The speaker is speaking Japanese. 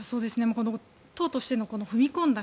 党としての踏み込んだ